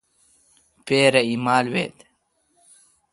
پپرہ ایمال ویت۔